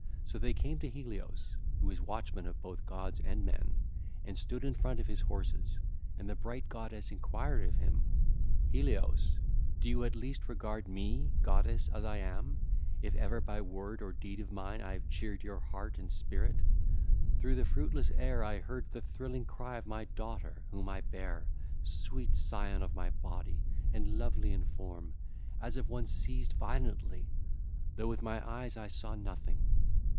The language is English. So they came to Helios, who is watchman of both gods and men, and stood in front of his horses: and the bright goddess enquired of him: 'Helios, do you at least regard me, goddess as I am, if ever by word or deed of mine I have cheered your heart and spirit. Through the fruitless air I heard the thrilling cry of my daughter whom I bare, sweet scion of my body and lovely in form, as of one seized violently; though with my eyes I saw nothing.